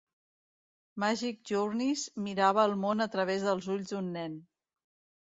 Magic Journeys mirava el món a través dels ulls d'un nen.